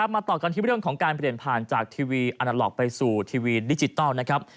มาต่อกันที่เรื่องของการเปลี่ยนผ่านจากทีวีอาณาล็อกไปสู่ทีวีดิจิทัลนะครับ